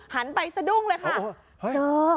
หันไปสะดุ้งเลยค่ะเจอ